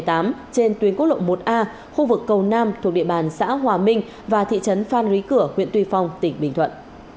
trên tuyến quốc lộ một a khu vực cầu nam thuộc địa bàn xã hòa minh và thị trấn phan rí cửa huyện tuy phong tỉnh bình thuận